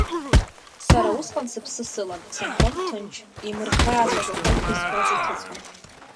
Сара усҟан сыԥсы сылан, сынхон ҭынч, имырхьаа цәаҳәақәакгьы сгәаҵа иҭыҵуан.